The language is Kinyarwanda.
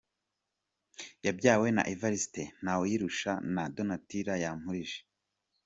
Yabyawe na Evariste Ntawuyirusha na Donatilla Yampurije.